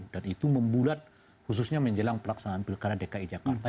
dan itu membulat khususnya menjelang pelaksanaan pilkara dki jakarta